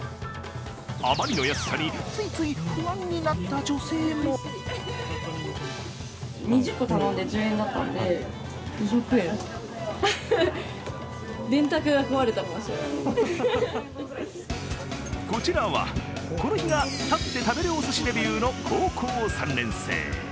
あまりの安さについつい不安になった女性もこちらは、この日が立って食べるお寿司デビューの高校３年生。